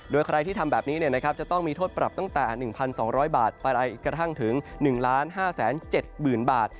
โดยใครทำแบบนี้ต้องมีโทษปรับตั้งแต่๑๒๐๐บาทถึง๑๕๗๐๐๐๐บท